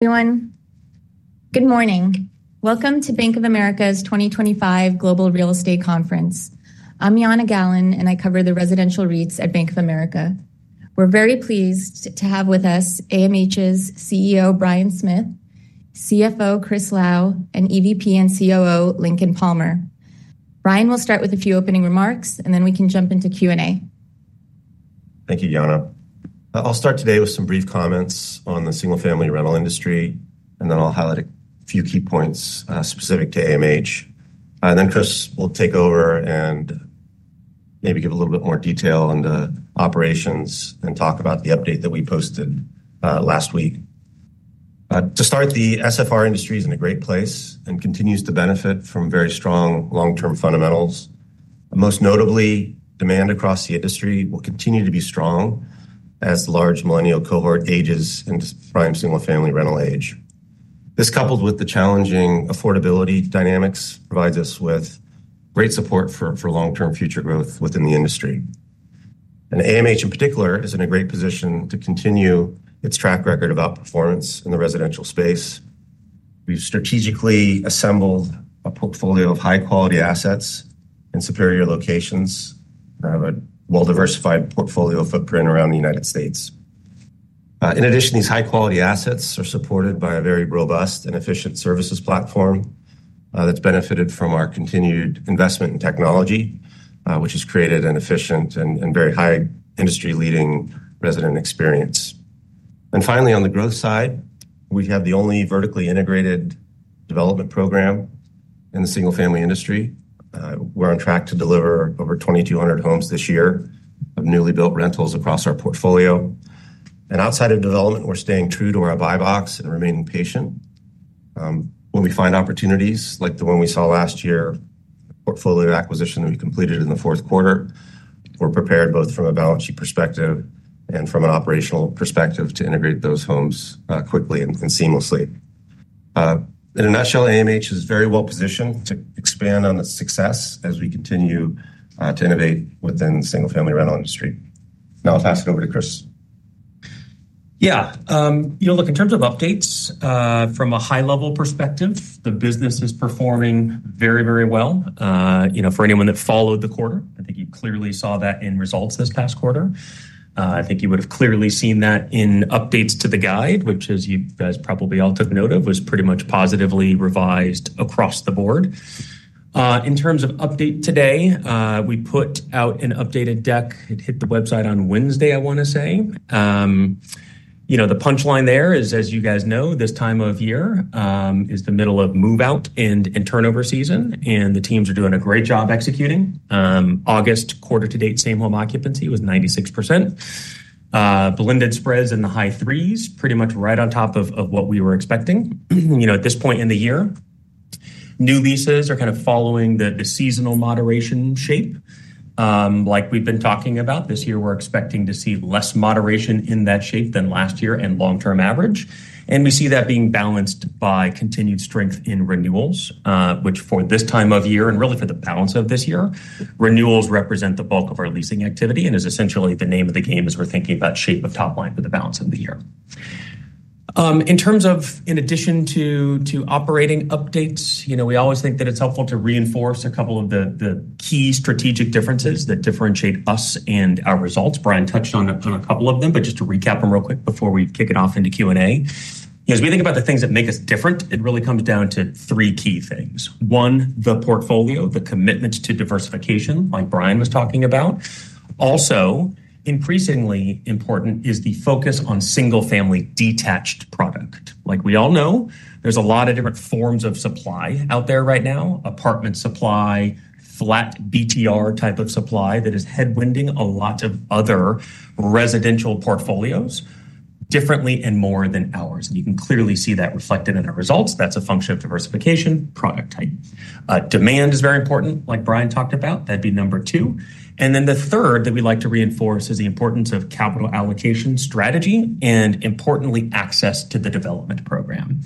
Good morning. Welcome to Bank of America's 2025 Global Real Estate Conference. I'm Yana Gallen, and I cover the residential REITs at Bank of America. We're very pleased to have with us AMH's CEO, Bryan Smith, CFO, Chris Lau, and EVP and COO, Lincoln Palmer. Bryan will start with a few opening remarks, and then we can jump into Q&A. Thank you, Yana. I'll start today with some brief comments on the single-family rental industry, and then I'll highlight a few key points specific to AMH. Then Chris will take over and maybe give a little bit more detail into operations and talk about the update that we posted last week. To start, the SFR industry is in a great place and continues to benefit from very strong long-term fundamentals. Most notably, demand across the industry will continue to be strong as the large millennial cohort ages into prime single-family rental age. This, coupled with the challenging affordability dynamics, provides us with great support for long-term future growth within the industry. AMH in particular is in a great position to continue its track record of outperformance in the residential space. We've strategically assembled a portfolio of high-quality assets in superior locations and have a well-diversified portfolio footprint around the United States. In addition, these high-quality assets are supported by a very robust and efficient services platform that's benefited from our continued investment in technology, which has created an efficient and very high industry-leading resident experience. Finally, on the growth side, we have the only vertically integrated development program in the single-family industry. We're on track to deliver over 2,200 homes this year of newly built rentals across our portfolio. Outside of development, we're staying true to our buy box and remaining patient. When we find opportunities like the one we saw last year, a portfolio acquisition that we completed in the fourth quarter, we're prepared both from a balance sheet perspective and from an operational perspective to integrate those homes quickly and seamlessly. In a nutshell, AMH is very well positioned to expand on the success as we continue to innovate within the single-family rental industry. Now I'll pass it over to Chris. Yeah, you know, look, in terms of updates, from a high-level perspective, the business is performing very, very well. For anyone that followed the quarter, I think you clearly saw that in results this past quarter. I think you would have clearly seen that in updates to the guide, which, as you guys probably all took note of, was pretty much positively revised across the board. In terms of update today, we put out an updated deck. It hit the website on Wednesday, I want to say. The punchline there is, as you guys know, this time of year is the middle of move-out and turnover season, and the teams are doing a great job executing. August quarter-to-date same-home occupancy was 96%. Blended spreads in the high threes, pretty much right on top of what we were expecting at this point in the year. New leases are kind of following the seasonal moderation shape. Like we've been talking about, this year we're expecting to see less moderation in that shape than last year and long-term average. We see that being balanced by continued strength in renewals, which for this time of year and really for the balance of this year, renewals represent the bulk of our leasing activity and is essentially the name of the game as we're thinking about shape of top line for the balance of the year. In addition to operating updates, we always think that it's helpful to reinforce a couple of the key strategic differences that differentiate us and our results. Bryan touched on a couple of them, but just to recap them real quick before we kick it off into Q&A. As we think about the things that make us different, it really comes down to three key things. One, the portfolio, the commitment to diversification, like Bryan was talking about. Also, increasingly important is the focus on single-family detached product. Like we all know, there's a lot of different forms of supply out there right now: apartment supply, flat BTR type of supply that is headwinding a lot of other residential portfolios differently and more than ours. You can clearly see that reflected in our results. That's a function of diversification product type. Demand is very important, like Bryan talked about. That'd be number two. The third that we like to reinforce is the importance of capital allocation strategy and, importantly, access to the development program.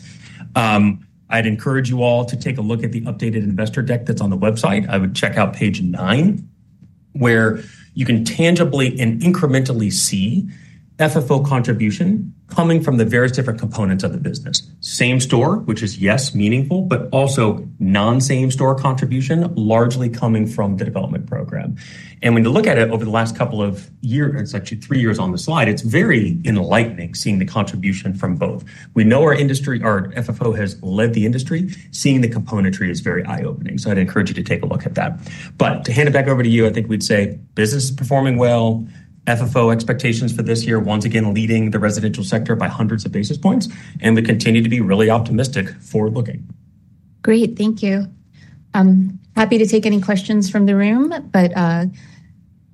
I'd encourage you all to take a look at the updated investor deck that's on the website. I would check out page nine, where you can tangibly and incrementally see FFO contribution coming from the various different components of the business. Same-store, which is yes, meaningful, but also non-same-store contribution largely coming from the development program. When you look at it over the last couple of years, it's actually three years on the slide. It's very enlightening seeing the contribution from both. We know our industry, our FFO has led the industry. Seeing the componentry is very eye-opening. I'd encourage you to take a look at that. To hand it back over to you, I think we'd say business is performing well. FFO expectations for this year, once again, leading the residential sector by hundreds of basis points. We continue to be really optimistic forward looking. Great, thank you. Happy to take any questions from the room.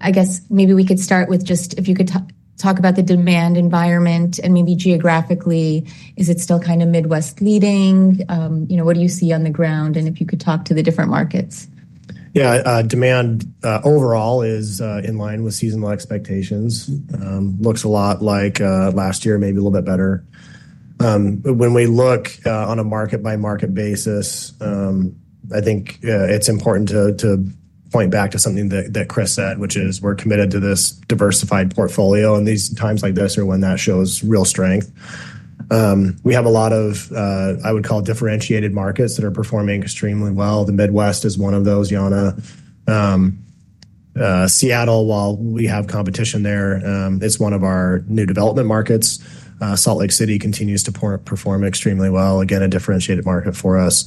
I guess maybe we could start with just if you could talk about the demand environment and maybe geographically, is it still kind of Midwest leading? You know, what do you see on the ground? If you could talk to the different markets. Yeah, demand overall is in line with seasonal expectations. Looks a lot like last year, maybe a little bit better. When we look on a market-by-market basis, I think it's important to point back to something that Chris said, which is we're committed to this diversified portfolio. These times like this are when that shows real strength. We have a lot of, I would call, differentiated markets that are performing extremely well. The Midwest is one of those, Yana. Seattle, while we have competition there, it's one of our new development markets. Salt Lake City continues to perform extremely well. Again, a differentiated market for us.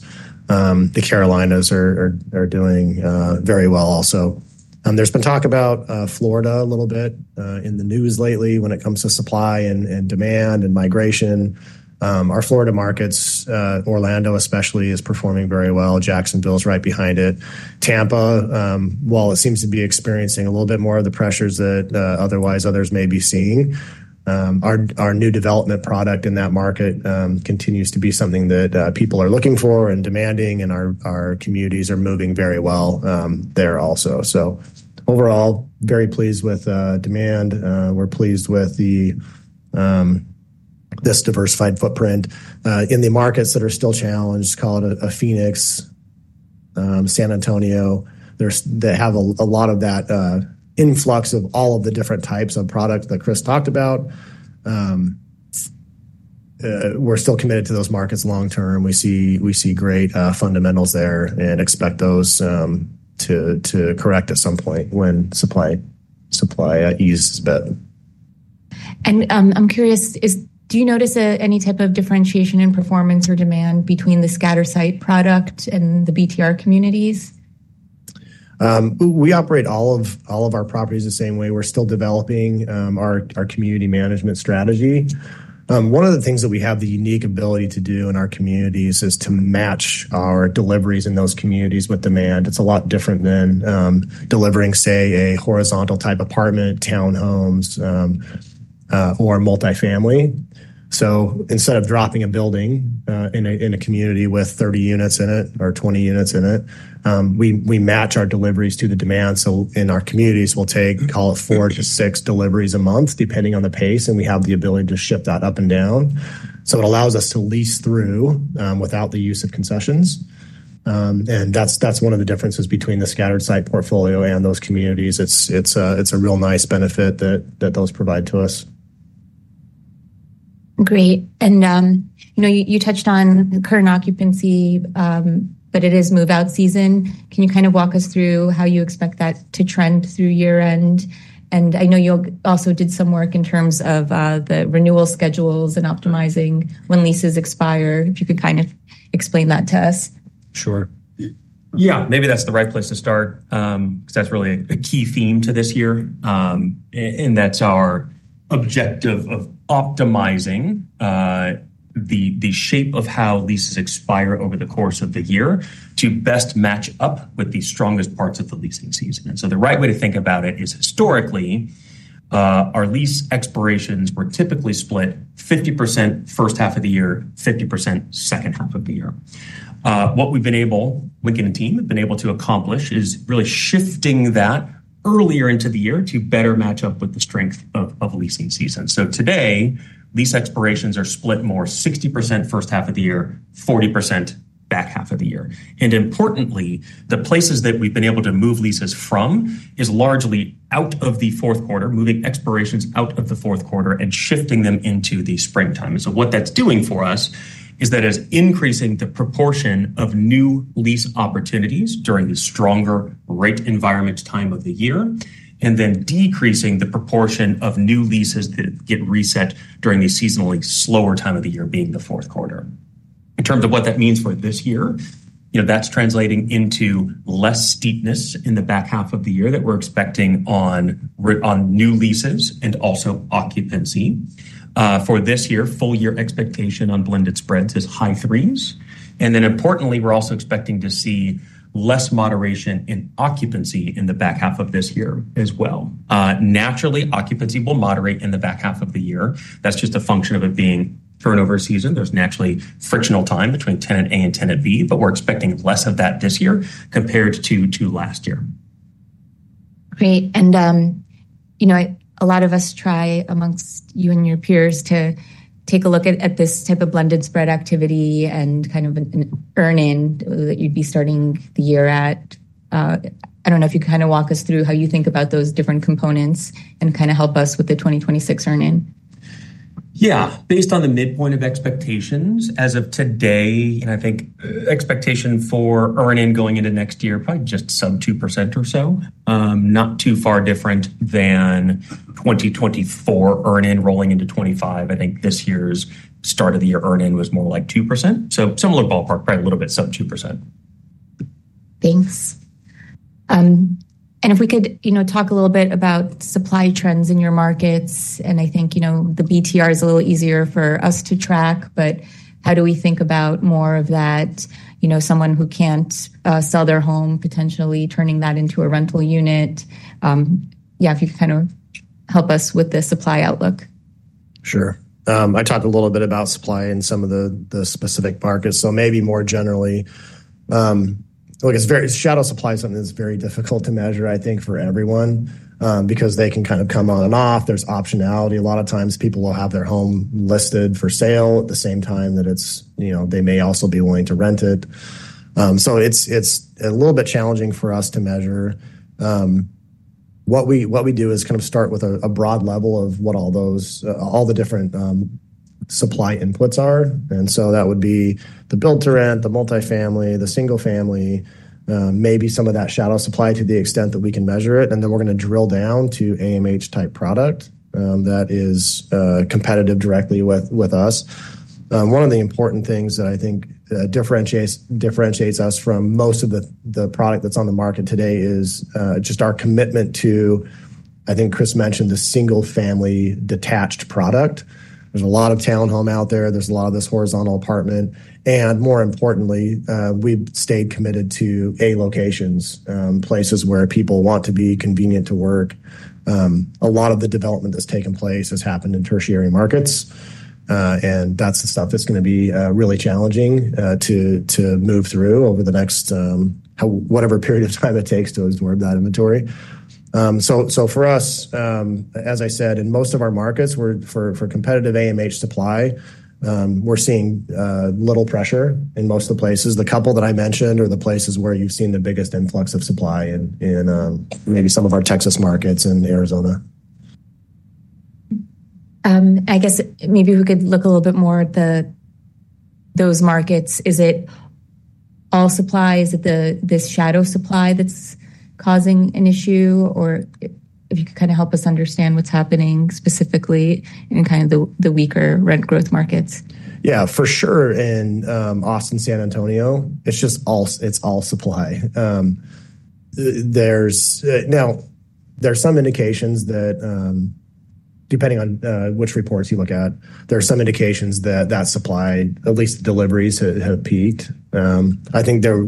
The Carolinas are doing very well also. There's been talk about Florida a little bit in the news lately when it comes to supply and demand and migration. Our Florida markets, Orlando especially, is performing very well. Jacksonville is right behind it. Tampa, while it seems to be experiencing a little bit more of the pressures that otherwise others may be seeing, our new development product in that market continues to be something that people are looking for and demanding, and our communities are moving very well there also. Overall, very pleased with demand. We're pleased with this diversified footprint. In the markets that are still challenged, call it a Phoenix, San Antonio, that have a lot of that influx of all of the different types of products that Chris talked about, we're still committed to those markets long-term. We see great fundamentals there and expect those to correct at some point when supply eases a bit. I'm curious, do you notice any type of differentiation in performance or demand between the scatter site product and the BTR communities? We operate all of our properties the same way. We're still developing our community management strategy. One of the things that we have the unique ability to do in our communities is to match our deliveries in those communities with demand. It's a lot different than delivering, say, a horizontal type apartment, townhomes, or a multifamily. Instead of dropping a building in a community with 30 units in it or 20 units in it, we match our deliveries to the demand. In our communities, we'll take, call it four to six deliveries a month, depending on the pace, and we have the ability to shift that up and down. It allows us to lease through without the use of concessions. That's one of the differences between the scattered site portfolio and those communities. It's a real nice benefit that those provide to us. Great. You touched on current occupancy, but it is move-out season. Can you walk us through how you expect that to trend through year-end? I know you also did some work in terms of the renewal schedules and optimizing when leases expire. If you could explain that to us. Sure. Maybe that's the right place to start because that's really a key theme to this year. That's our objective of optimizing the shape of how leases expire over the course of the year to best match up with the strongest parts of the leasing season. The right way to think about it is historically, our lease expirations were typically split 50% first half of the year, 50% second half of the year. What we've been able with the team have been able to accomplish is really shifting that earlier into the year to better match up with the strength of leasing season. Today, lease expirations are split more 60% first half of the year, 40% back half of the year. Importantly, the places that we've been able to move leases from is largely out of the fourth quarter, moving expirations out of the fourth quarter and shifting them into the springtime. What that's doing for us is that it is increasing the proportion of new lease opportunities during the stronger rate environment time of the year and then decreasing the proportion of new leases that get reset during the seasonally slower time of the year, being the fourth quarter. In terms of what that means for this year, that's translating into less steepness in the back half of the year that we're expecting on new leases and also occupancy. For this year, full-year expectation on blended spreads is high threes. Importantly, we're also expecting to see less moderation in occupancy in the back half of this year as well. Naturally, occupancy will moderate in the back half of the year. That's just a function of it being turnover season. There's naturally frictional time between tenant A and tenant B, but we're expecting less of that this year compared to last year. Great. You know, a lot of us try amongst you and your peers to take a look at this type of blended spread activity and kind of an earn-in that you'd be starting the year at. I don't know if you can kind of walk us through how you think about those different components and kind of help us with the 2026 earn-in. Yeah, based on the midpoint of expectations as of today, I think expectation for earn-in going into next year, probably just sub 2% or so. Not too far different than 2024 earn-in rolling into 2025. I think this year's start of the year earn-in was more like 2%. Similar ballpark, probably a little bit sub 2%. Thanks. If we could talk a little bit about supply trends in your markets, I think the BTR is a little easier for us to track, but how do we think about more of that? Someone who can't sell their home potentially turning that into a rental unit. If you could kind of help us with the supply outlook. Sure. I talked a little bit about supply in some of the specific markets. Maybe more generally, it's very shadow supply is something that's very difficult to measure, I think, for everyone because they can kind of come on and off. There's optionality. A lot of times people will have their home listed for sale at the same time that it's, you know, they may also be willing to rent it. It's a little bit challenging for us to measure. What we do is kind of start with a broad level of what all the different supply inputs are. That would be the built-to-rent, the multifamily, the single-family, maybe some of that shadow supply to the extent that we can measure it. Then we're going to drill down to AMH-type product that is competitive directly with us. One of the important things that I think differentiates us from most of the product that's on the market today is just our commitment to, I think Chris mentioned, the single-family detached product. There's a lot of townhome out there. There's a lot of this horizontal apartment. More importantly, we've stayed committed to A locations, places where people want to be convenient to work. A lot of the development that's taken place has happened in tertiary markets. That's the stuff that's going to be really challenging to move through over the next whatever period of time it takes to absorb that inventory. For us, as I said, in most of our markets for competitive AMH supply, we're seeing little pressure in most of the places. The couple that I mentioned are the places where you've seen the biggest influx of supply in maybe some of our Texas markets and Arizona. I guess maybe we could look a little bit more at those markets. Is it all supply? Is it this shadow supply that's causing an issue? If you could kind of help us understand what's happening specifically in kind of the weaker rent growth markets. Yeah, for sure. In Austin, San Antonio, it's just all supply. Now, there's some indications that, depending on which reports you look at, there are some indications that that supply, at least deliveries, have peaked. I think their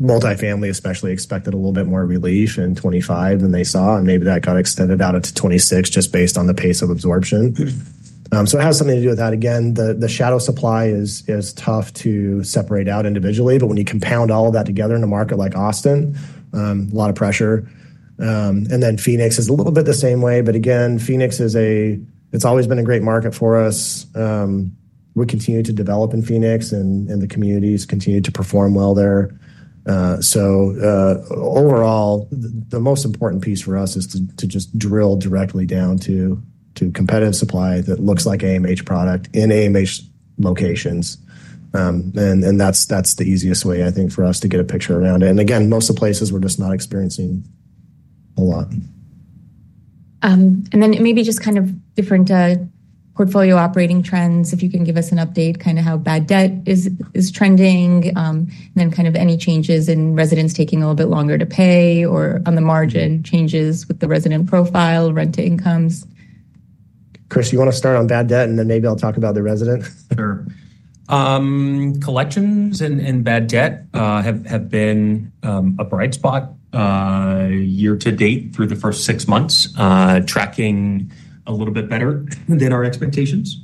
multifamily especially expected a little bit more relief in 2025 than they saw, and maybe that got extended out to 2026 just based on the pace of absorption. It has something to do with that. The shadow supply is tough to separate out individually, but when you compound all of that together in a market like Austin, a lot of pressure. Phoenix is a little bit the same way, but again, Phoenix is a, it's always been a great market for us. We continue to develop in Phoenix and the communities continue to perform well there. Overall, the most important piece for us is to just drill directly down to competitive supply that looks like AMH product in AMH locations. That's the easiest way, I think, for us to get a picture around it. Most of the places we're just not experiencing a lot. Maybe just kind of different portfolio operating trends, if you can give us an update, kind of how bad debt is trending, and then any changes in residents taking a little bit longer to pay or on the margin changes with the resident profile rent to incomes. Chris, you want to start on bad debt, and then maybe I'll talk about the resident? Sure. Collections and bad debt have been a bright spot year to date through the first six months, tracking a little bit better than our expectations.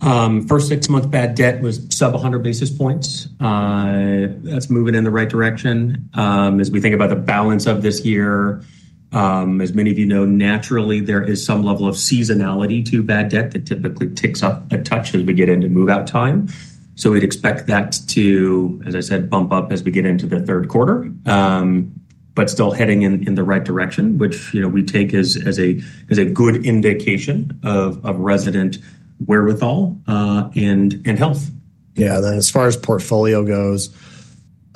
First six months bad debt was sub 100 basis points. That's moving in the right direction. As we think about the balance of this year, as many of you know, naturally there is some level of seasonality to bad debt that typically ticks a touch as we get into move-out time. We would expect that to, as I said, bump up as we get into the third quarter, but still heading in the right direction, which we take as a good indication of resident wherewithal and health. Yeah, as far as portfolio goes,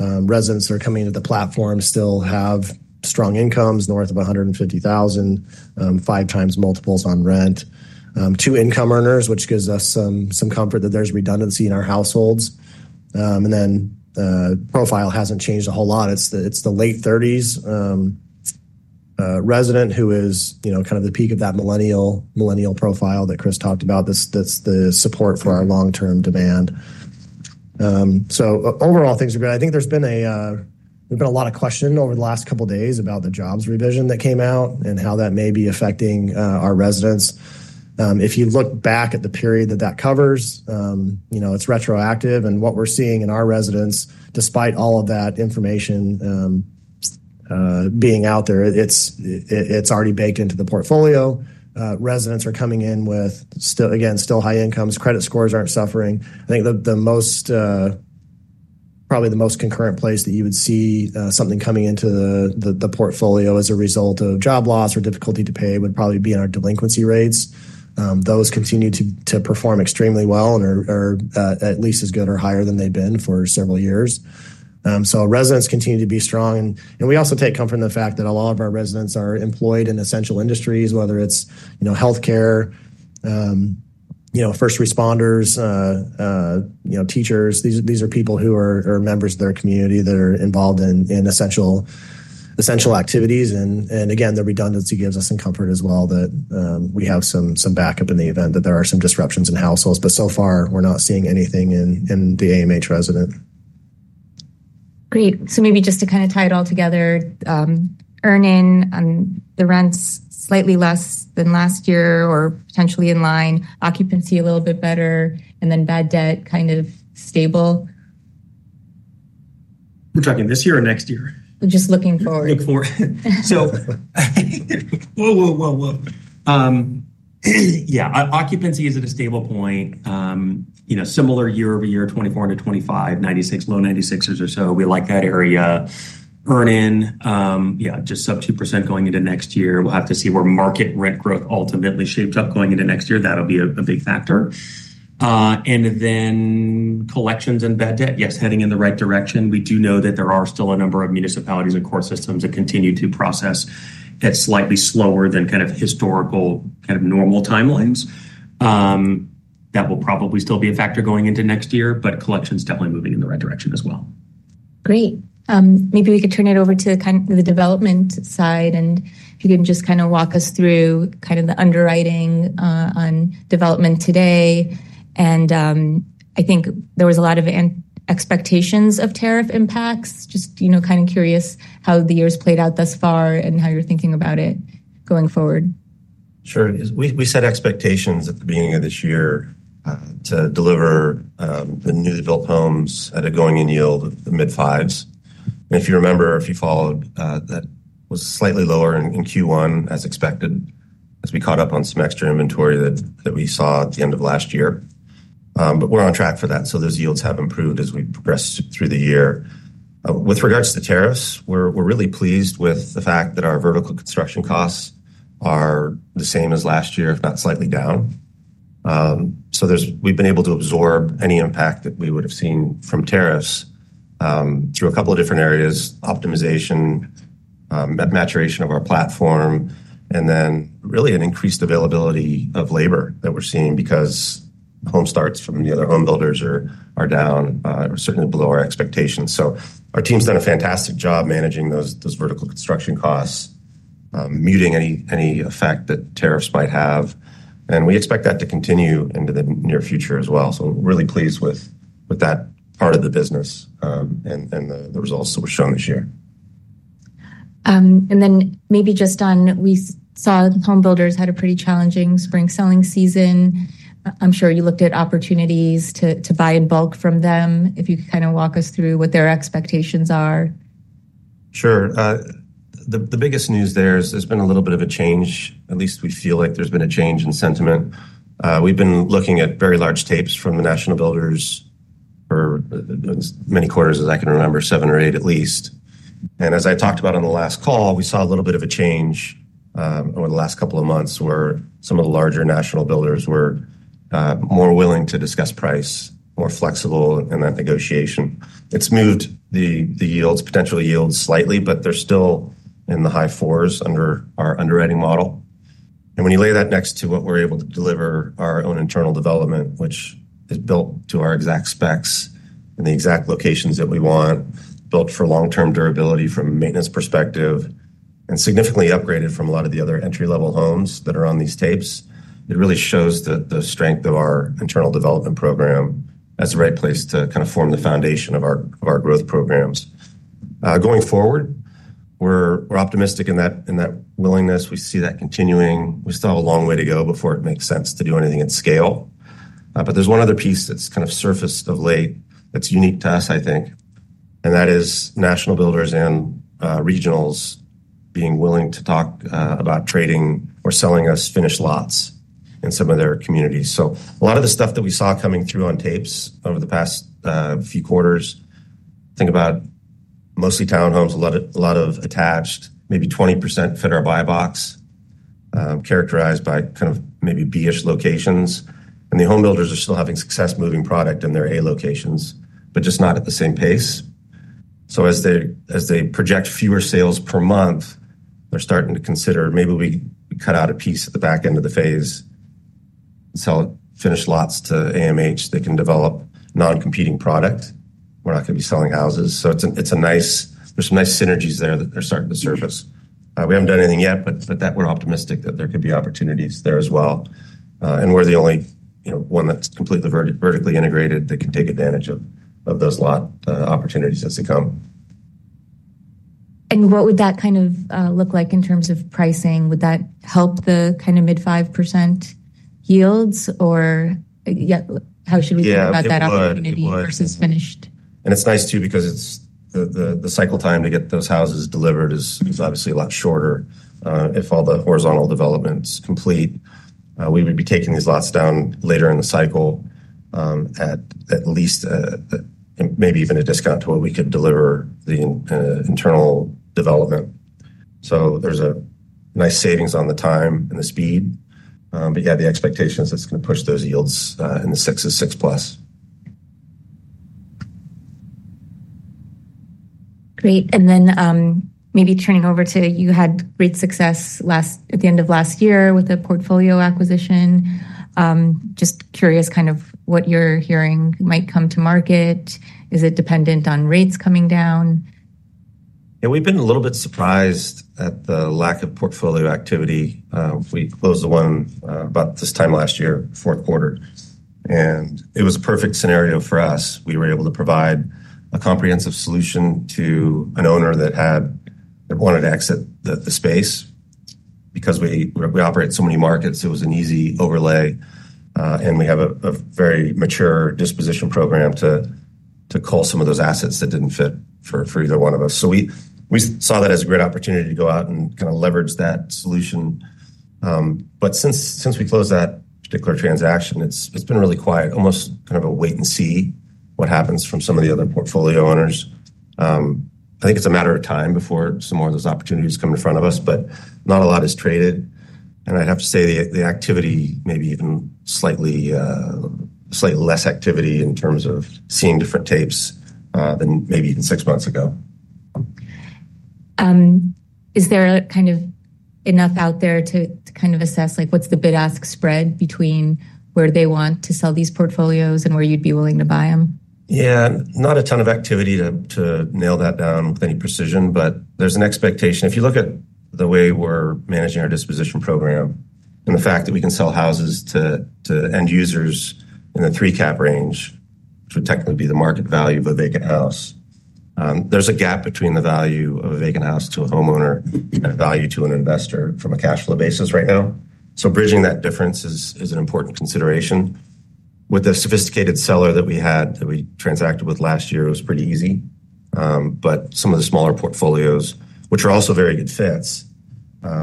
residents that are coming into the platform still have strong incomes north of $150,000, five times multiples on rent, two income earners, which gives us some comfort that there's redundancy in our households. The profile hasn't changed a whole lot. It's the late 30s resident who is kind of the peak of that millennial profile that Chris talked about, the support for our long-term demand. Overall, things are good. I think there's been a lot of question over the last couple of days about the jobs revision that came out and how that may be affecting our residents. If you look back at the period that that covers, it's retroactive and what we're seeing in our residents, despite all of that information being out there, it's already baked into the portfolio. Residents are coming in with, again, still high incomes. Credit scores aren't suffering. I think probably the most concurrent place that you would see something coming into the portfolio as a result of job loss or difficulty to pay would probably be in our delinquency rates. Those continue to perform extremely well and are at least as good or higher than they've been for several years. Residents continue to be strong. We also take comfort in the fact that a lot of our residents are employed in essential industries, whether it's healthcare, first responders, teachers. These are people who are members of their community that are involved in essential activities. Again, the redundancy gives us some comfort as well that we have some backup in the event that there are some disruptions in households. So far, we're not seeing anything in the AMH resident. Great. Maybe just to kind of tie it all together, earn-in, the rents slightly less than last year or potentially in line, occupancy a little bit better, and then bad debt kind of stable. We're talking this year or next year? Just looking forward. Look forward. Occupancy is at a stable point, similar year-over-year, 2024-2025, 96%, low 96% or so. We like that area. Earn-in, just sub 2% going into next year. We'll have to see where market rent growth ultimately shapes up going into next year. That'll be a big factor. Collections and bad debt, yes, heading in the right direction. We do know that there are still a number of municipalities and core systems that continue to process at slightly slower than historical normal timelines. That will probably still be a factor going into next year, but collections definitely moving in the right direction as well. Great. Maybe we could turn it over to the development side, and if you can just walk us through the underwriting on development today. I think there was a lot of expectations of tariff impacts. Just curious how the years played out thus far and how you're thinking about it going forward. Sure. We set expectations at the beginning of this year to deliver the new developed homes at a going-in yield of the mid-5%. If you remember, if you followed, that was slightly lower in Q1 as expected, as we caught up on some extra inventory that we saw at the end of last year. We're on track for that. Those yields have improved as we progress through the year. With regards to tariffs, we're really pleased with the fact that our vertical construction costs are the same as last year, if not slightly down. We've been able to absorb any impact that we would have seen from tariffs through a couple of different areas: optimization, maturation of our platform, and then really an increased availability of labor that we're seeing because home starts from the other home builders are down, certainly below our expectations. Our team's done a fantastic job managing those vertical construction costs, muting any effect that tariffs might have. We expect that to continue into the near future as well. We're really pleased with that part of the business and the results that were shown this year. We saw that the home builders had a pretty challenging spring selling season. I'm sure you looked at opportunities to buy in bulk from them. If you could kind of walk us through what their expectations are. Sure. The biggest news there is there's been a little bit of a change. At least we feel like there's been a change in sentiment. We've been looking at very large tapes from the national builders for as many quarters as I can remember, seven or eight at least. As I talked about on the last call, we saw a little bit of a change over the last couple of months where some of the larger national builders were more willing to discuss price, more flexible in that negotiation. It's moved the yields, potential yields slightly, but they're still in the high 4% under our underwriting model. When you lay that next to what we're able to deliver in our own internal development, which is built to our exact specs and the exact locations that we want, built for long-term durability from a maintenance perspective, and significantly upgraded from a lot of the other entry-level homes that are on these tapes, it really shows the strength of our internal development program as the right place to kind of form the foundation of our growth programs. Going forward, we're optimistic in that willingness. We see that continuing. We still have a long way to go before it makes sense to do anything at scale. There's one other piece that's kind of surfaced of late that's unique to us, I think. That is national builders and regionals being willing to talk about trading or selling us finished lots in some of their communities. A lot of the stuff that we saw coming through on tapes over the past few quarters, think about mostly townhomes, a lot of attached, maybe 20% fit our buy box, characterized by kind of maybe B-ish locations. The home builders are still having success moving product in their A locations, just not at the same pace. As they project fewer sales per month, they're starting to consider maybe we cut out a piece at the back end of the phase and sell finished lots to AMH that can develop non-competing product. We're not going to be selling houses. There's some nice synergies there that they're starting to surface. We haven't done anything yet, but we're optimistic that there could be opportunities there as well. We're the only one that's completely vertically integrated that can take advantage of those lot opportunities as they come. What would that kind of look like in terms of pricing? Would that help the kind of mid-5% yields, or yeah, how should we think about that opportunity versus finished? It's nice too because the cycle time to get those houses delivered is obviously a lot shorter. If all the horizontal development is complete, we would be taking these lots down later in the cycle at at least maybe even a discount to what we could deliver the kind of internal development. There's a nice savings on the time and the speed. The expectation is that it's going to push those yields in the 6%+. Great. Maybe turning over to you, you had great success at the end of last year with a portfolio acquisition. Just curious what you're hearing might come to market. Is it dependent on rates coming down? Yeah, we've been a little bit surprised at the lack of portfolio activity. We closed the one about this time last year, fourth quarter. It was a perfect scenario for us. We were able to provide a comprehensive solution to an owner that had wanted to exit the space because we operate in so many markets. It was an easy overlay. We have a very mature disposition program to cull some of those assets that didn't fit for either one of us. We saw that as a great opportunity to go out and kind of leverage that solution. Since we closed that declared transaction, it's been really quiet, almost kind of a wait and see what happens from some of the other portfolio owners. I think it's a matter of time before some more of those opportunities come in front of us, but not a lot is traded. I'd have to say the activity, maybe even slightly less activity in terms of seeing different tapes than maybe even six months ago. Is there enough out there to assess what's the bid-ask spread between where they want to sell these portfolios and where you'd be willing to buy them? Yeah, not a ton of activity to nail that down with any precision, but there's an expectation. If you look at the way we're managing our disposition program and the fact that we can sell houses to end users in the 3% cap range, which would technically be the market value of a vacant house, there's a gap between the value of a vacant house to a homeowner and value to an investor from a cash flow basis right now. Bridging that difference is an important consideration. With a sophisticated seller that we had that we transacted with last year, it was pretty easy. Some of the smaller portfolios, which are also very good fits,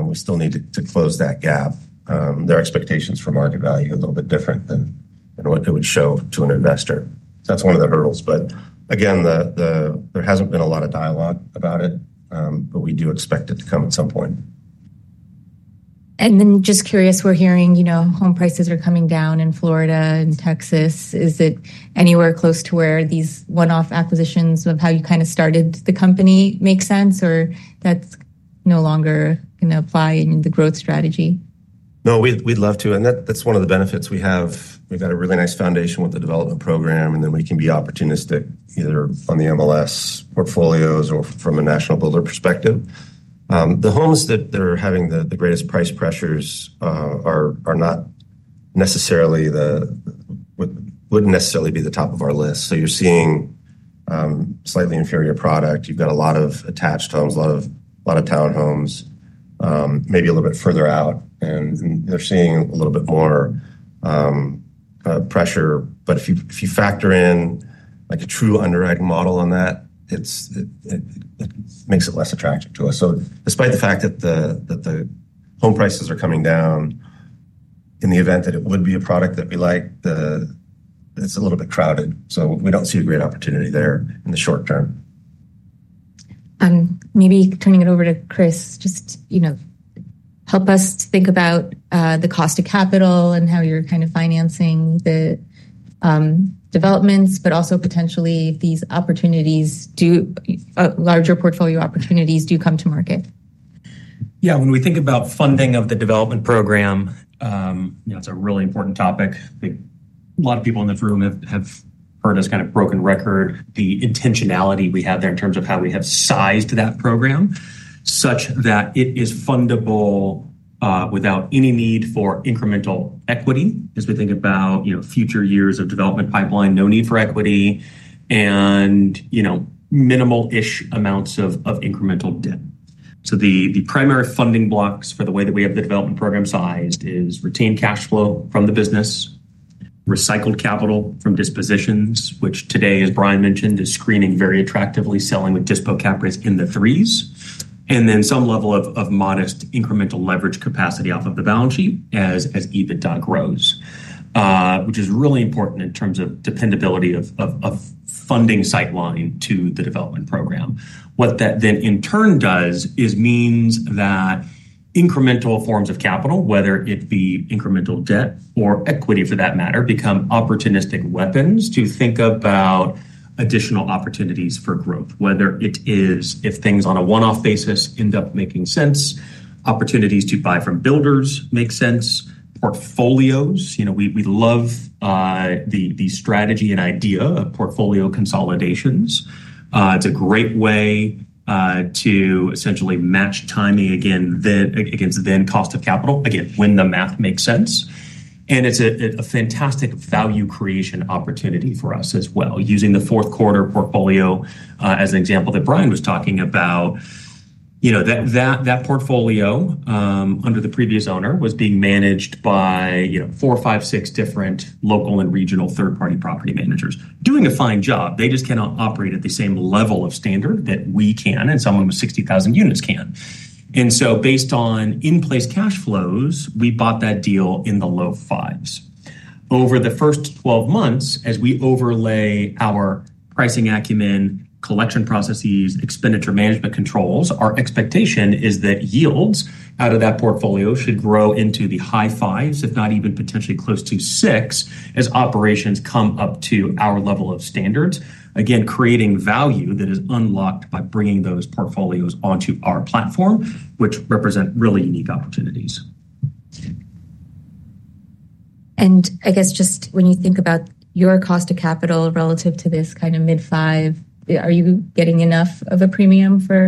we still need to close that gap. Their expectations for market value are a little bit different than what it would show to an investor. That's one of the hurdles. There hasn't been a lot of dialogue about it, but we do expect it to come at some point. I'm just curious, we're hearing, you know, home prices are coming down in Florida and Texas. Is it anywhere close to where these one-off acquisitions of how you kind of started the company make sense or that's no longer going to apply in the growth strategy? We'd love to. That's one of the benefits we have. We've got a really nice foundation with the development program, and we can be opportunistic either on the MLS portfolios or from a national builder perspective. The homes that are having the greatest price pressures are not necessarily the, wouldn't necessarily be the top of our list. You're seeing slightly inferior product. You've got a lot of attached homes, a lot of townhomes, maybe a little bit further out. They're seeing a little bit more pressure. If you factor in like a true underwriting model on that, it makes it less attractive to us. Despite the fact that the home prices are coming down, in the event that it would be a product that we like, it's a little bit crowded. We don't see a great opportunity there in the short term. Maybe turning it over to Chris, just help us think about the cost of capital and how you're kind of financing the developments, but also potentially if these opportunities do, a larger portfolio opportunities do come to market. Yeah, when we think about funding of the development program, it's a really important topic. A lot of people in this room have heard us, kind of broken record. The intentionality we have there in terms of how we have sized that program such that it is fundable without any need for incremental equity as we think about future years of development pipeline, no need for equity, and minimal-ish amounts of incremental debt. The primary funding blocks for the way that we have the development program sized are retained cash flow from the business, recycled capital from dispositions, which today, as Bryan mentioned, is screening very attractively, selling with dispo cap risk in the threes, and then some level of modest incremental leverage capacity off of the balance sheet as EBITDA grows, which is really important in terms of dependability of funding sight line to the development program. What that then in turn does is means that incremental forms of capital, whether it be incremental debt or equity for that matter, become opportunistic weapons to think about additional opportunities for growth, whether it is if things on a one-off basis end up making sense, opportunities to buy from builders make sense, portfolios. We love the strategy and idea of portfolio consolidations. It's a great way to essentially match timing against then cost of capital, again, when the math makes sense. It's a fantastic value creation opportunity for us as well, using the fourth quarter portfolio as an example that Bryan was talking about. That portfolio under the previous owner was being managed by four, five, six different local and regional third-party property managers, doing a fine job. They just cannot operate at the same level of standard that we can and someone with 60,000 units can. Based on in-place cash flows, we bought that deal in the low fives. Over the first 12 months, as we overlay our pricing acumen, collection processes, expenditure management controls, our expectation is that yields out of that portfolio should grow into the high fives, if not even potentially close to six, as operations come up to our level of standards, again, creating value that is unlocked by bringing those portfolios onto our platform, which represent really unique opportunities. When you think about your cost of capital relative to this kind of mid-5%, are you getting enough of a premium for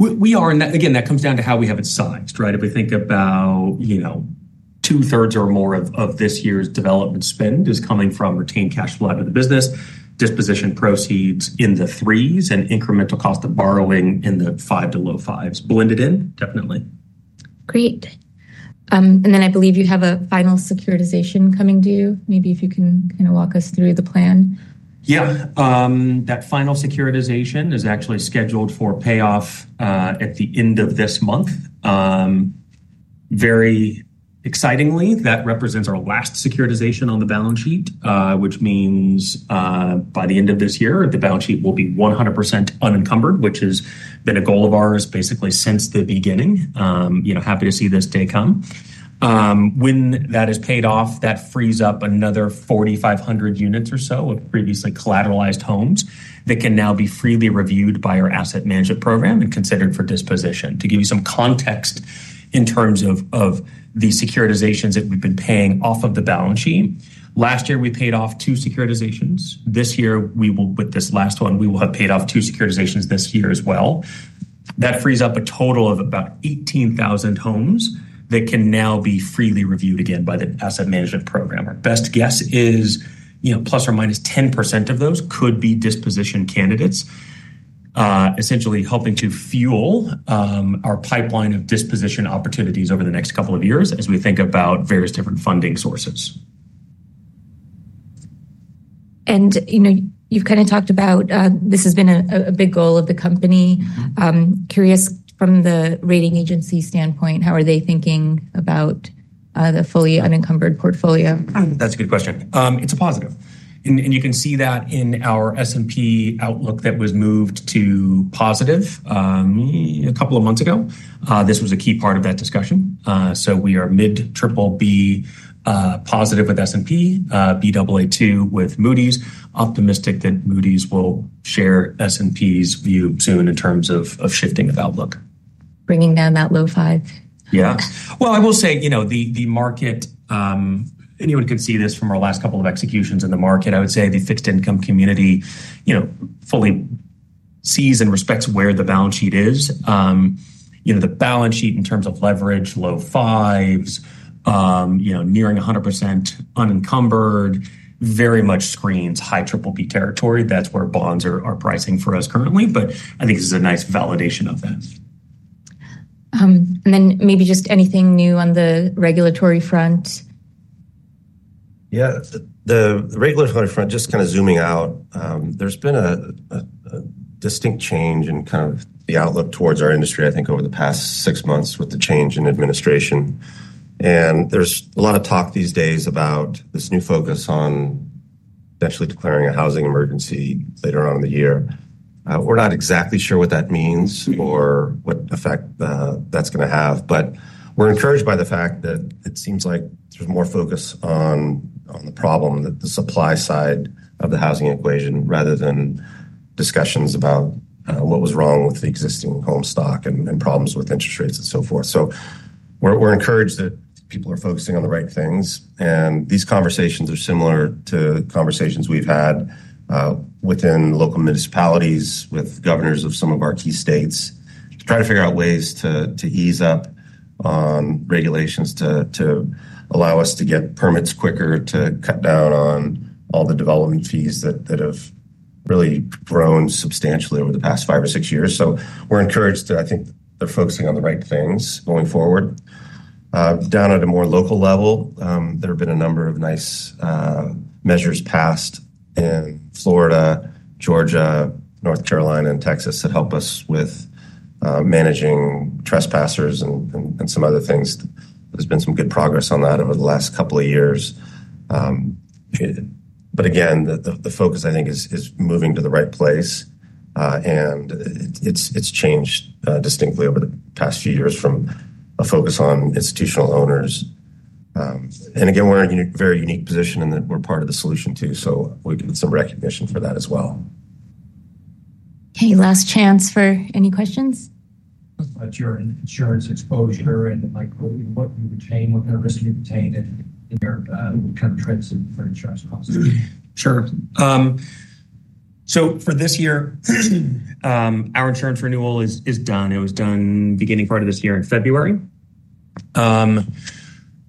it? We are, and again, that comes down to how we have it sized, right? If we think about, you know, two-thirds or more of this year's development spend is coming from retained cash flow out of the business, disposition proceeds in the threes, and incremental cost of borrowing in the five to low fives blended in, definitely. Great. I believe you have a final securitization coming due, maybe if you can walk us through the plan. Yeah, that final securitization is actually scheduled for payoff at the end of this month. Very excitingly, that represents our last securitization on the balance sheet, which means by the end of this year, the balance sheet will be 100% unencumbered, which has been a goal of ours basically since the beginning. Happy to see this day come. When that is paid off, that frees up another 4,500 units or so of previously collateralized homes that can now be freely reviewed by our asset management program and considered for disposition. To give you some context in terms of the securitizations that we've been paying off of the balance sheet, last year we paid off two securitizations. This year, with this last one, we will have paid off two securitizations this year as well. That frees up a total of about 18,000 homes that can now be freely reviewed again by the asset management program. Our best guess is, ±10% of those could be disposition candidates, essentially helping to fuel our pipeline of disposition opportunities over the next couple of years as we think about various different funding sources. You've kind of talked about this has been a big goal of the company. Curious from the rating agency standpoint, how are they thinking about the fully unencumbered portfolio? That's a good question. It's a positive. You can see that in our S&P outlook that was moved to positive a couple of months ago. This was a key part of that discussion. We are mid-Triple B positive with S&P, Baa2 with Moody's, optimistic that Moody's will share S&P's view soon in terms of shifting of outlook. Bringing down that low five. I will say, you know, the market, anyone could see this from our last couple of executions in the market. I would say the fixed income community, you know, fully sees and respects where the balance sheet is. You know, the balance sheet in terms of leverage, low fives, nearing 100% unencumbered, very much screens high Triple B territory. That's where bonds are pricing for us currently. I think this is a nice validation of that. Maybe just anything new on the regulatory front? Yeah, the regulatory front, just kind of zooming out, there's been a distinct change in kind of the outlook towards our industry, I think, over the past six months with the change in administration. There's a lot of talk these days about this new focus on potentially declaring a housing emergency later on in the year. We're not exactly sure what that means or what effect that's going to have. We're encouraged by the fact that it seems like there's more focus on the problem, the supply side of the housing equation, rather than discussions about what was wrong with the existing home stock and problems with interest rates and so forth. We're encouraged that people are focusing on the right things. These conversations are similar to conversations we've had within local municipalities with governors of some of our key states, trying to figure out ways to ease up on regulations to allow us to get permits quicker, to cut down on all the development fees that have really grown substantially over the past five or six years. We're encouraged to, I think, they're focusing on the right things going forward. Down at a more local level, there have been a number of nice measures passed in Florida, Georgia, North Carolina, and Texas that help us with managing trespassers and some other things. There's been some good progress on that over the last couple of years. The focus, I think, is moving to the right place. It's changed distinctly over the past few years from a focus on institutional owners. We're in a very unique position in that we're part of the solution too. We do need some recognition for that as well. Hey, last chance for any questions? Of your insurance exposure and like what you retain, what covers you retain and what kind of fixes? Sure. For this year, our insurance renewal is done. It was done the beginning part of this year in February.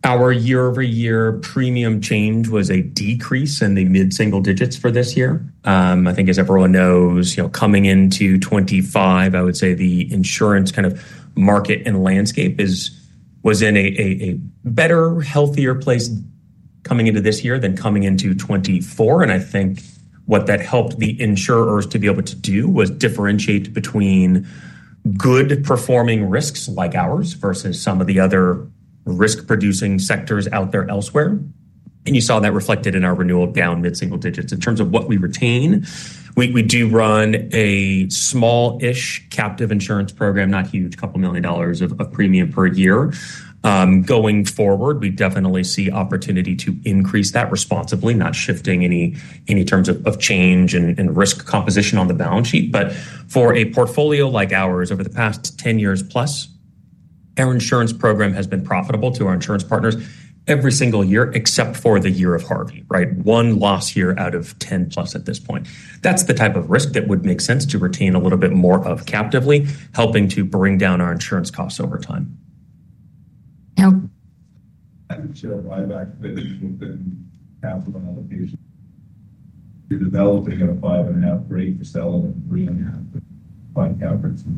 Our year-over-year premium change was a decrease in the mid-single digits for this year. I think, as everyone knows, coming into 2025, I would say the insurance kind of market and landscape was in a better, healthier place coming into this year than coming into 2024. I think what that helped the insurers to be able to do was differentiate between good-performing risks like ours versus some of the other risk-producing sectors out there elsewhere. You saw that reflected in our renewal down mid single-digits. In terms of what we retain, we do run a small-ish captive insurance program, not huge, a couple million dollars of premium per year. Going forward, we definitely see opportunity to increase that responsibly, not shifting any terms of change and risk composition on the balance sheet. For a portfolio like ours over the past 10+ years, our insurance program has been profitable to our insurance partners every single year except for the year of Harvey, right? One loss year out of 10+ at this point. That's the type of risk that would make sense to retain a little bit more of captively, helping to bring down our insurance costs over time. Okay. You can develop at a 5.5% rate, you sell it at 3.5%, find coverage and.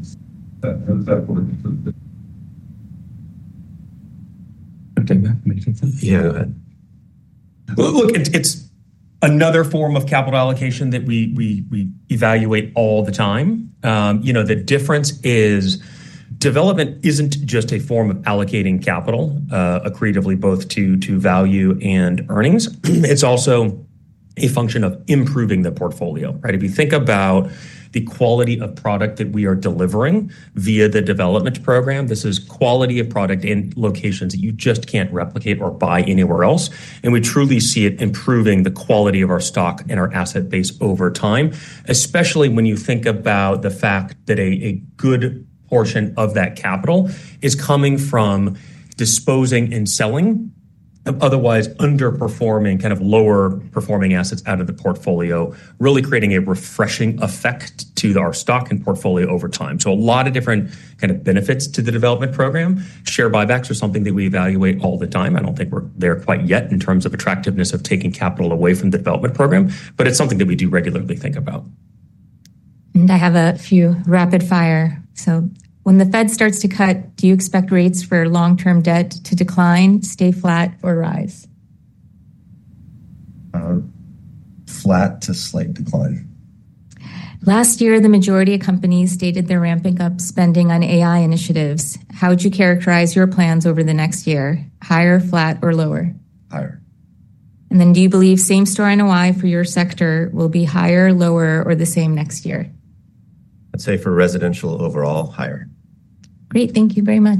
Yeah. Look, it's another form of capital allocation that we evaluate all the time. The difference is development isn't just a form of allocating capital accretively both to value and earnings. It's also a function of improving the portfolio, right? If you think about the quality of product that we are delivering via the development program, this is quality of product in locations that you just can't replicate or buy anywhere else. We truly see it improving the quality of our stock and our asset base over time, especially when you think about the fact that a good portion of that capital is coming from disposing and selling of otherwise underperforming, kind of lower performing assets out of the portfolio, really creating a refreshing effect to our stock and portfolio over time. A lot of different kind of benefits to the development program. Share buybacks are something that we evaluate all the time. I don't think we're there quite yet in terms of attractiveness of taking capital away from the development program, but it's something that we do regularly think about. I have a few rapid fire. When the Fed starts to cut, do you expect rates for long-term debt to decline, stay flat, or rise? Flat to slight decline. Last year, the majority of companies stated they're ramping up spending on AI initiatives. How would you characterize your plans over the next year? Higher, flat, or lower? Higher. Do you believe same story in Hawaii for your sector will be higher, lower, or the same next year? I'd say for residential overall, higher. Great. Thank you very much.